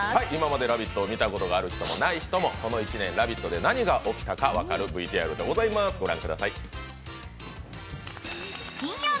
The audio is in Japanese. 今まで「ラヴィット！」を見たことがある人も、ない人もこの１年「ラヴィット！」で何が起きたか分かるＶＴＲです。